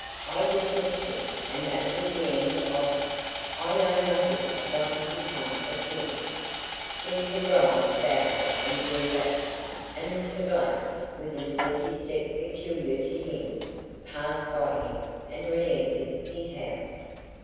I dismissed him and that was the end of it, I know nothing of what has become of him." Mr. Gryce bowed and drew back, and Mr. Blake, with the haughty step peculiar to him, passed by him and reentered his house.